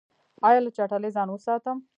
ایا له چټلۍ ځان وساتم؟